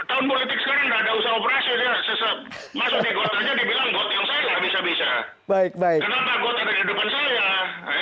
masuknya goto aja dibilang goto yang saya lah bisa bisa